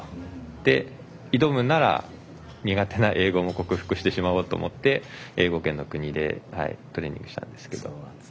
で、挑むなら苦手な英語も克服してしまおうと思って英語圏の国でトレーニングしたんですけど。